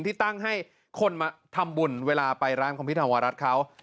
ที่ตั้งให้คนมาทำบุญเวลาไปร้านของพี่ธวรัฐเขา